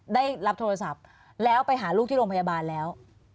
ได้รับโทรศัพท์แล้วไปหาลูกที่โรงพยาบาลแล้ว